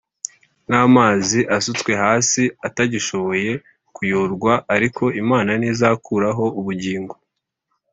nk amazi asutswe hasi atagishoboye kuyorwa Ariko Imana ntizakuraho ubugingo